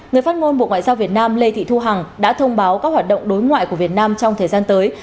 người phát ngôn bộ ngoại giao việt nam lê thị thu hằng đã thông báo các hoạt động đối ngoại của việt nam trong thời gian tới